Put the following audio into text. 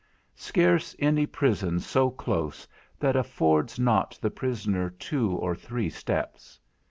Scarce any prison so close that affords not the prisoner two or three steps.